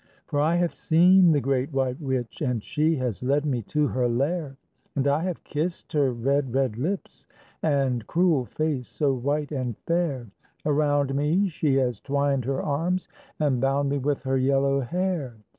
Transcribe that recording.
For I have seen the great white witch, And she has led me to her lair, And I have kissed her red, red lips And cruel face so white and fair; Around me she has twined her arms, And bound me with her yellow hair.